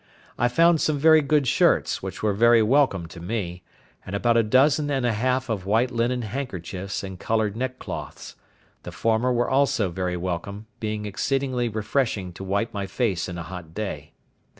I found some very good shirts, which were very welcome to me; and about a dozen and a half of white linen handkerchiefs and coloured neckcloths; the former were also very welcome, being exceedingly refreshing to wipe my face in a hot day.